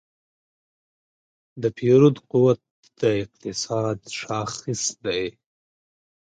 د پیرود قوت د اقتصاد شاخص دی.